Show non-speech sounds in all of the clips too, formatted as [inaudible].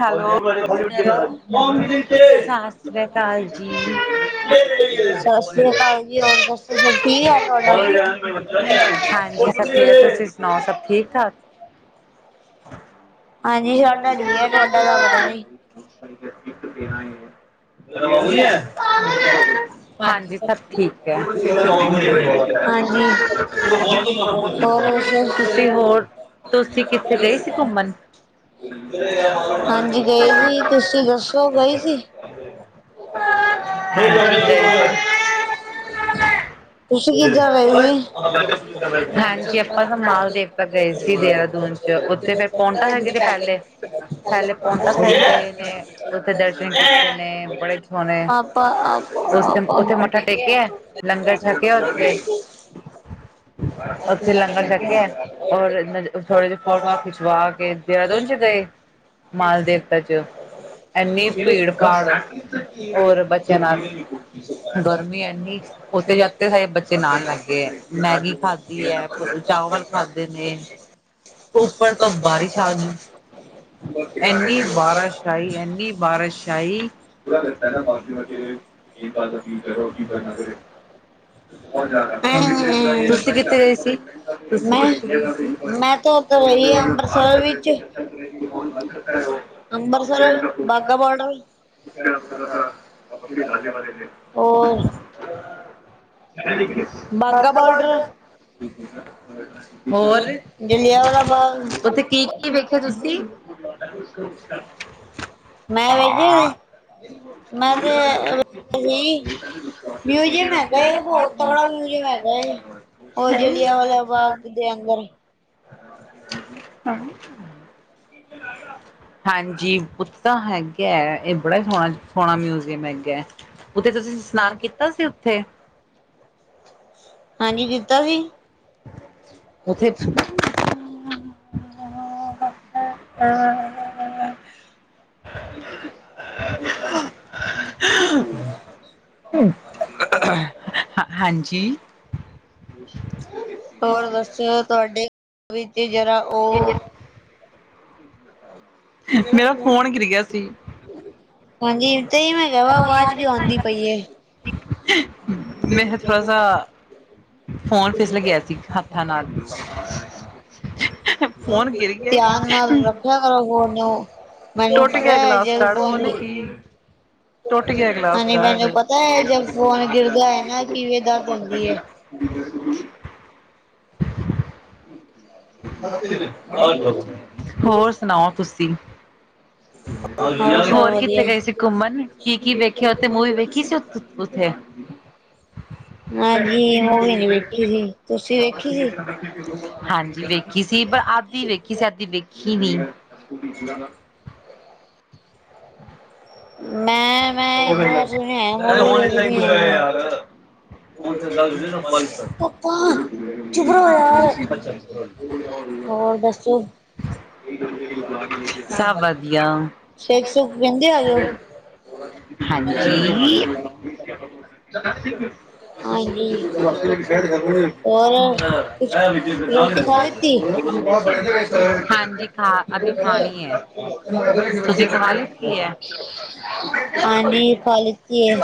Hello, ਸਸ ਸ੍ਰੀ ਅਕਾਲ ਜੀ। ਹਾਂਜੀ, [unintelligible] ਸੁਨਾਓ ਸਬ ਠੀਕ-ਠਾਕ? ਹਾਂਜੀ ਸਾਡਾ ਠੀਕੈ, ਤੁਆਡਾ ਤਾਂ ਪਤਾ ਨੀ। [unintelligible] ਹਾਂਜੀ ਸਬ ਠੀਕੈ [unintelligible] ਹੋਰ, ਤੁਸੀਂ ਕਿੱਥੇ ਗਏ ਸੀ ਕੁੱਮਨ? ਹਾਂਜੀ ਗਏ ਸੀ, ਤੁਸੀਂ ਦੱਸੋ ਗਏ ਸੀ? [unintelligible] [inaudible] ਹਾਂਜੀ, ਆਪਾਂ ਤਾਂ ਮਾਲਦੇਵ ਤਕ ਗਏ ਸੀ ਦੇਰਾਦੂਨ। ਓਥੇ ਫੇਰ ਪੋਟਾ ਸੈਬ ਦੇ ਪੈਲੇ ਪੈਲੇ ਪੋਟਾ ਸੈਬ ਗਏ ਨੇ ਓਥੇ ਦਰਸ਼ਨ [inaudible] ਬੜੇ ਸੋਣੇ ਉਸ ਓਥੈ ਮੱਥਾ ਟੇਕਿਆ, ਲੰਗਰ ਛਕਿਆ ਓਥੇ [inaudible] ਉੱਥੇ ਲੰਗਰ ਛਕੇਆ ਓਰ ਥੋੜੇ ਜੇ ਫੋਟੋਆਂ ਖਿਚਵਾ ਕੇ ਦੇਹਰਾਦੁਨ ਚ ਗਏ। ਮਾਲ ਦੇਵਤਾ ਚ ਏਨੀ ਭੀੜ ਹਔਰ ਬੱਚੇਆਂ ਨਾਲ ਗਰਮੀ ਏਨੀ ਉੱਥੇ ਜਾ ਓਥੇ ਬੱਚੇ ਨਾਲ ਲੱਗੇਐ, ਮੈਗੀ ਖਾਦੀਐ, ਚਾਵਲ ਖਾਦੇ ਨੇ ਉੱਪਰ ਤੋਂ ਬਾਰਿਸ਼ ਆਗੀ। [inaudible] ਏਨੀ ਬਾਰਸ਼ ਆਈ, ਏਨੀ ਬਾਰਸ਼ ਆਈ [unintelligible] ਤੁਸੀ ਕਿੱਥੇ ਗਏ ਸੀ, ਤੁਸੀ ਕਿਥੇ ਗਏ ਸੀ? [unintelligible] ਅੰਬਰਸਰ, ਬਾਗਾਂ-ਬੋਡਰ। ਉਹ ਬਾਗਾਂ- ਬੋਰਡਰ। ਜ਼ਿਲਿਆਂਵਾਲਾ ਬਾਗ, ਪੁੱਤ ਕੀ-ਕੀ ਵੇਖਿਆ ਸੀ ਤੁਸੀਂ। [unintelligible] ਮੈਂ ਵੇਖਿਆ ਸੀ, ਮੈ ਤੇ, ਗੲੀ, ਮਿਊਜ਼ੀਅਮ ਹੈਗਾ ਏ ਬਹੁਤ। ਤਗੜਾ ਮਿਊਜ਼ੀਅਮ ਹੈਗਾ ਏ, ਉਹ ਜ਼ਿਲਿਆਂਵਾਲੇ ਬਾਂਗ ਦੇ ਅੰਦਰ। ਹਾਂਜੀ ਪੁ ਤਾਂ ਹੈਗਾ ਆ, ਇਹ ਬੜਾ ਹੀ ਸੋਹਣਾ- ਸੋਹਣਾ ਮਿਊਜ਼ੀਅਮ ਹੈਗਾ, ਉੱਥੇ ਤੁਸੀ ਇਸ਼ਨਾਨ ਕੀਤਾ ਸੀ ਉੱਥੇ? ਹਾਂਜੀ, ਕੀਤਾ ਸੀ। ਉਥੇ [unintelligible] [unintelligible] [unintelligible] ਹਾਂਜੀ। ਹੋਰ ਦੱਸੋ, ਤੁਹਾਡੇ, ਵਿੱਚ ਜ਼ਰਾ ਉਹ? ਮੇਰਾ ਫੋਨ ਗਿਰ ਗਿਆ ਸੀ। ਹਾਂਜੀ, ਤੇ ਮੈਂ ਕਵਾ ਵਾਜ਼ ਕਿਉਂ ਆਂਦੀ ਪਈ ਐ। [unintelligible] ਫੋਨ ਫਿਸਲ ਗਿਆ ਸੀ, ਹੱਥਾਂ ਨਾਲ, ਹੋਰ ਕੀ ਧਿਆਨ ਨਾਲ ਰੱਖਿਆ ਕਰੋ ਫੋਨ ਨੂੰ। ਮੈਨੂੰ ਪਤਾ ਜਦ ਫੋਨ ਨੀ, [unintelligible] ਮੈਨੂੰ ਪਤਾ ਹੈ ਜਬ, ਫੋਨ ਗਿਰਦਾ ਹੈ ਨਾ, ਕਿਵੇਂ ਦਰਦ ਹੁੰਦੀ ਹੈ। ਹਮ [unintelligible] [unintelligible] ਹੋਰ ਸੁਣਾਓ ਤੁਸੀ? [unintelligible] ਹੋਰ ਕਿੱਥੇ ਗਏ ਸੀ ਘੁੰਮਣ ਕੀ-ਕੀ ਵੇਖਿਆ ਉੱਥੇ ਮੂਵੀ ਵੇਖੀ ਸੀ ਉੱਥੇ? [unintelligible] ਨਾ ਜੀ ਮੂਵੀ ਨੀ ਵੇਖੀ ਸੀ, ਤੁਸੀਂ ਵੇਖੀ ਸੀ? ਹਾਂਜੀ ਵੇਖੀ ਸੀ, ਪਰ ਅੱਧੀ ਵੇਖੀ ਸੀ ਅੱਧੀ ਵੇਖੀ ਨੀ, [unintelligible] [unintelligible] [unintelligible] [unintelligible] ਸਭ ਵਧੀਆ। ਹਾਂਜੀ। [unintelligible] ਹਾਂਜੀ ਖਾ ਅਸੀਂ ਖਾਣੀ ਐ, ਤੁਸੀਂ ਖਾ ਲੀ? ਕੀ ਐ, ਹਾਂਜੀ ਖਾ ਲਿਤੀ ਐ,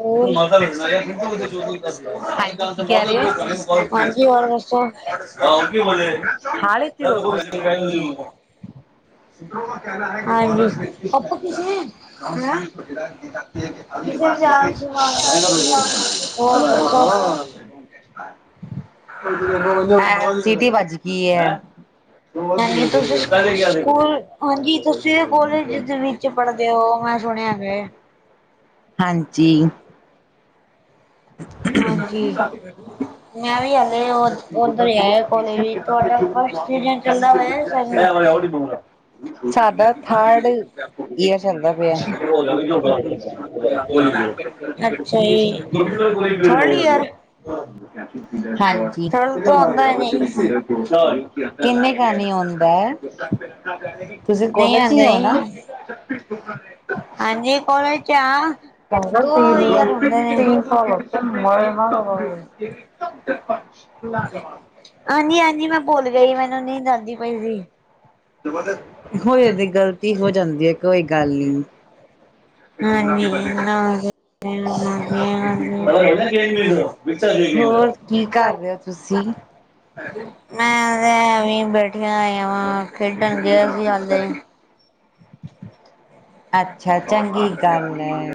[unintelligible] ਹਾਂਜੀ, ਔਲਮੋਸ਼ਟ। [unintelligible] [unintelligible] ਹਾਂਜੀ, ਹੈਂ, ਕਿਸੇ ਜਾਉ। ਹਾਂ, ਹੋਰ ਦੱਸੋ। [unintelligible] ਹਾਂਜੀ ਤੁਸੀ ਸਕੂਲ, ਹਾਂਜੀ ਤੁਸੀ ਕੋਲੇਜ ਜਿੱ ਚ ਪੜਦੇ ਹੳ ਮੈਂ ਸੁਣਿਆ ਹੈਗੈ ਹਾਂਜੀ। ਹਾਂਜੀ, ਮੈਂ ਵੀ ਹਲੇ ੳ ਉਧਰ ਆਏ ਕੋਲੇਜ ਵੀ ਤੁਹਾਡਾ ਫਸਟ ਸੀਜਨ ਚੱਲਦਾ ਪਿਆ ਯਾਂ ਸੈਕਿੰਡ? [unintelligible] ਅੱਛਾ ਜੀ। [unintelligible] ਹਾਂਜੀ। ਕਿੰਨੇ ਕਾਨੀ ਆਉਂਦੈ, ਤੁਸੀਂ ਕੋਲਜ ਚ ਈ ੳ ਨਾ? ਹਾਂਜੀ ਕੋਲੇਜ ਚ ਆ। [unintelligible] [unintelligible] ਹਾਂਜੀ-ਹਾਂਜੀ ਮੈਂ ਭੁੱਲ ਗਈ ਮੈਨੂੰ ਨੀਂਦ ਆਂਦੀ ਪਈ ਸੀ। ਹੋ ਇਦੀ ਗਲਤੀ ਹੋ ਜਾਂਦੀ ਐ ਕੋਈ ਗੱਲ ਨੀਂ। ਹਾਂਜੀ ਜੀ, ਹਾਂ [unintelligible] ਮੈਂ ਤੇ ਐਵੇਂ ਬੈਠੀ ਆਂ ਆਇ ਵਾਂ ਖੇਡਣ ਗਿਆ ਸੀ ਹਾਲੇ ਅੱਛਾ ਚੰਗੀ ਗੱਲ ਐ।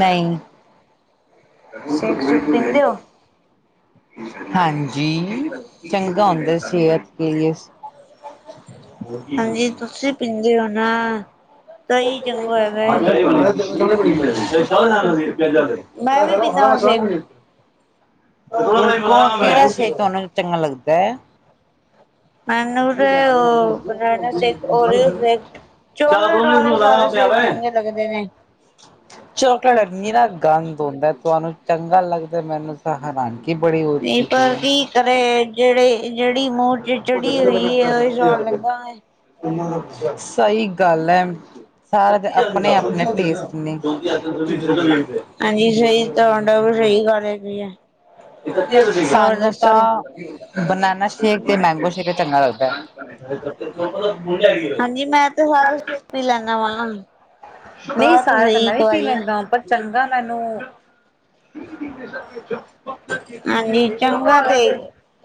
ਨਈ। ਸੇਕ ਸੂਕ ਪੀਂਦੇ ਓ? ਹਾਂਜੀ ਚੰਗਾ ਹੁੰਦਾ ਸੇਹਤ ਕੇ ਲੀਏ। ਹਾਂਜੀ ਤੁਸੀਂ ਪੀਂਦੇ ੳ ਨਾ ਤਾਂਈ ਚੰਗਾ ਹੈਗਾ। [unintelligible] ਕੋ ਕਿਹੜਾ ਸ਼ੇਕ ਤੁੂੰ ਚੰਗਾ ਲੱਗਦਾ ਐ। ਮੈਨੂੰ ਤੇ ਉ banana shake Oreo shake chocolate ਵਾਲੇ ਸਾਰੇ ਸ਼ੇਕ ਚੰਗੇ ਲੱਗਦੇ ਨੇਂ ਚੋਕਲੇਟ ਨੀਰਾ ਗੰਦ ਹੁੰਦਾ ਤੁਹਾਨੂੰ ਚੰਗਾ ਲੱਗਦਾ ਮੈਨੂੰ ਤਾਂ ਹੈਰਾਂਨੀ ਨਈ ਪਰ ਕੀ ਕਰੇ ਜੇੜੇ ਜੇੜੀ ਮੂੰਹ'ਚ ਚੜੀ ਹੋਈ ਉਈ ਸਵਾਦ ਲੱਗਾ ਹੋਇਆ। ਸਹੀ ਗੱਲ ਐ। ਸਾਰਿਆਂ ਦੇ ਆਪਨੇ-ਆਪਨੇ ਟੇਸਟ ਨੇਂ। ਤੁਹਾਂਡਾਂ ਵੀ ਸਈ ਗੱਲ ਹੈਗੀ ਏ। ਸਾਨੂੰ ਤਾਂ ਬਨਾਨਾ ਸ਼ੇਕ ਤੇ ਮੈਂਗੋ ਸ਼ੇਕ ਚੰਗਾ ਲੱਗਦੈ। [unintelligible] ਨਈ ਸਾਰੇ ਤਾਂ ਮੈਂ ਵੀ ਪੀ ਲੈਂਦਾ ਪਰ ਚੰਗਾ ਮੈਨੂੰ [inaudible] ਹਾਂਜੀ ਚੰਗਾ ਤੇ,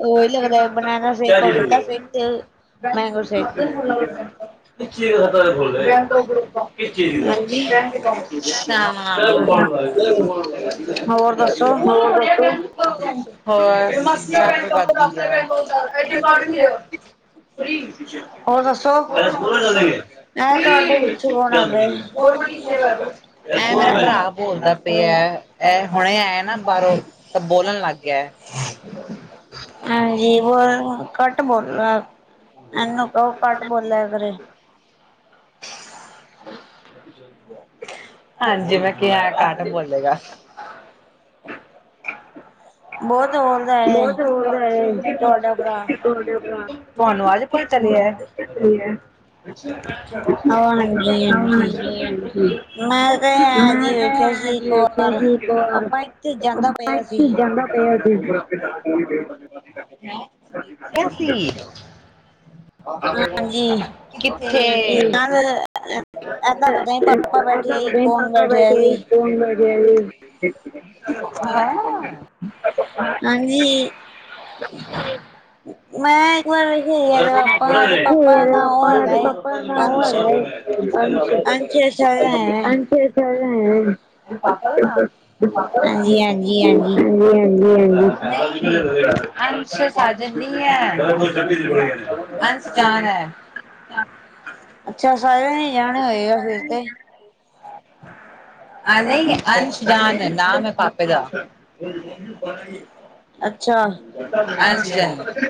ਉਈ ਲੱਗਦੈ ਬਨਾਨਾ ਸ਼ੇਰ, ਤੇ ਮੈਂਗੋ ਸੇਕ। ਹਾਂਜੀ। ਹੋਰ ਦੱਸੋ। [unintelligible] ਹੋਰ ਦੱਸੋ ਐ ਤੁਹਾਡੇ ਵਿੱਚੇ ਕੋਨ ਆ ਗਿਆ ਈ। [unintelligible] ਤਾਂ ਬੋਲਣ ਲੱਗ ਗਿਆ ਹੈ। ਹਾਂਜੀ ਕੱਟ ਬੋਲਦਾ, ਇਹਨੂੰ ਉਹ ਘੱਟ ਬੋਲਿਆ ਕਰੇ। ਹਾਂਜੀ ਮੈਂ ਕਿਹਾ, ਘੱਟ ਬੋਲੇਗਾ। [unintelligible] ਤੁਹਾਨੂੰ ਅੱਜ ਪਤਾ ਚੱਲਿਆ ਏ? ਉਹ ਹਾਂਜੀ ਹਾਂਜੀ ਮੈਂ ਤੇ ਆਜ ਈ ਵੇਖਿਆ ਸੀ। ਪਰ ਇੱਥੇ ਜਾਂਦਾ ਪਿਆ ਸੀ। [inaudible] [inaudible] ਅਸੀਂ ਕਿੱਥੇ ਏ [unintelligible] ਹੈਨੇ [unintelligible] ਪਾਪਾ ਦੇ ਨਾਲ ਆ ਪਾਪਾ ਦੇ ਨਾਲ, ਹਾਂਜੀ -ਹਾਂਜੀ- ਹਾਂਜੀ ਨਹੀਂ, ਹਾਂ ਸਾਜਨ ਨੀ ਏ, ਅੰਸ਼ ਜਾਨ ਏ। ਅੱਛਾ ਸਾਰਿਆਂ ਨੇ ਜਾਣੇ ਹੋਏਗਾ ਫ਼ਿਰ ਤੇ। ਹਾਂਜੀ ਅੰਸ਼ ਨਾਮ ਏ। [inaudible] ਅੱਛਾ ਹਾਂਜੀ। ਅੱਛਾ ਜੀ-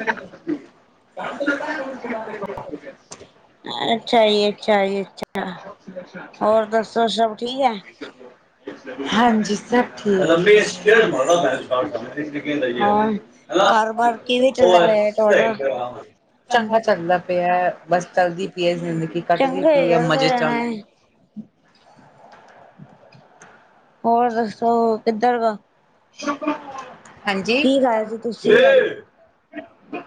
ਅੱਛਾ ਜੀ- ਅੱਛਾ ਜੀ। ਹੋਰ ਦੱਸੋ ਸਭ ਠੀਕ ਆ? ਹਾਂਜੀ। ਸਭ ਠੀਕ। [inaudible] ਚੰਗਾ ਚੱਲਦਾ ਪਿਆ, ਬਸ ਚੱਲਦੀ ਪਈ ਹੈ ਜ਼ਿੰਦਗੀ ਕੱਟਦੀ ਪਈ ਹੈ ਮਜ਼ੇ 'ਚ ਆ। ਹੋਰ ਦੱਸੋ ਕਿੱਧਰ ਵਾਂ? ਕੀ ਖਾਇਆ ਸੀ ਤੁਸੀਂ?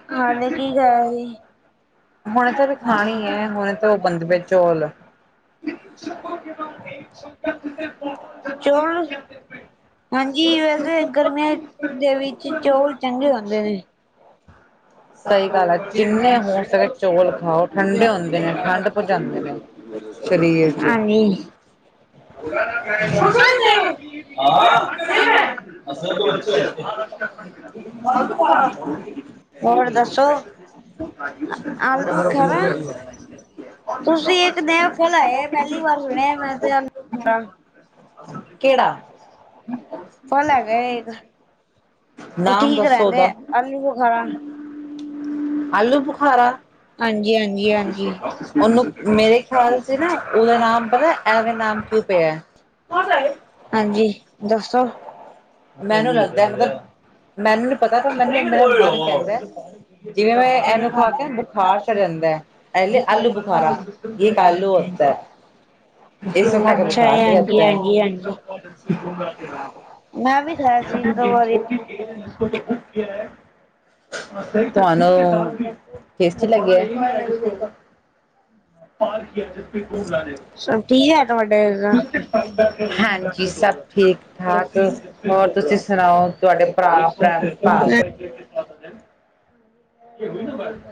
ਖਾਣਾ ਕੀ ਖਾਇਆ ਸੀ? ਹਾਲੇ ਤਾਂ ਵੀ ਖਾਣੀ ਏ, ਹੁਣੇ ਤਾਂ ਉਹ ਬੰਨਦੇ ਪਏ ਚੌਲ। [inaudible] ਹਾਂਜੀ, ਵੈਸੇ ਗਰਮੀਆਂ ਦੇ ਵਿੱਚ ਚੌਲ ਚੰਗੇ ਹੁੰਦੇ ਨੇ। ਸਈ ਗੱਲ ਏ। ਹਾਂਜੀ। [inaudible] ਮੈਨੂੰ ਕੀ ਪਾ਼। ਹੋਰ ਦੱਸੋ ਆਲੂ ਖਰਾ। ਤੁਸੀਂ ਇੱਕ ਨਯਾ ਫੁੱਲ ਆਏ, ਪਹਿਲੀ ਵਾਰ ਸੁਣਿਆਂ ਮੈਂ ਤੇ। ਫ਼ਲ ਹੈਗਾ ਏ ਇੱਕ। ਉਹ ਠੀਕ ਰਹਿੰਦੇ ਆਲੂ ਬਖਾਰਾ। ਆਲੂ ਬੁਖਾਰਾ। ਉਹਨੂੰ ਮੇਰੇ ਖ਼ਿਆਲ ਚ ਨਾ ਉਹਦਾ ਨਾਮ ਪਤਾ ਐਂਵੇਂ ਨਾਮ ਕੀ ਪਿਆ ਏ। ਹਾਂਜੀ ਦੱਸੋਂ ਮੈਨੂੰ ਲੱਗਦਾ ਪਿਆ [inaudible] [inaudible] ਅੱਛਾ ਜੀ ਹਾਂਜੀ ਹਾਂਜੀ ਮੈਂ ਵੀ ਖੀਲਿਆ ਸੀ ਇੱਕ ਦੋ ਵਾਰੀ। [unintelligible] ਤੁਹਾਨੂੰ ਟੇਸਟੀ ਲੱਗੇਐ। [unintelligible] [inaudible] ਹਾਂਜੀ ਸਭ ਠੀਕ। ਹਾਂ ਹੋਰ ਤੁਸੀਂ ਸੁਣਾਓ ਤੁਹਾਡੇ ਭਰਾ ਭਾ [unintelligible]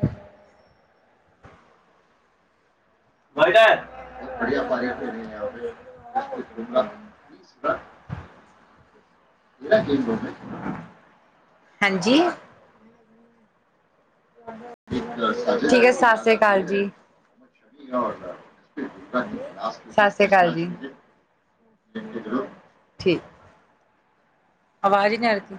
ਬੜੀਆਂ ਬਾਰੀਆਂਰੀ [unintelligible] [unintelligible] ਹਾਂਜੀ। ਠੀਕ ਹੈ ਸਤਿ ਸ੍ਰੀ ਅਕਾਲ ਜੀ। [inaudible] ਸਤਿ ਸ੍ਰੀ ਅਕਾਲ ਜੀ। [inaudible] ਠੀਕ ਅਵਾਜ ਹੀ ਨਹੀ ਆਰੀ ਥੀ।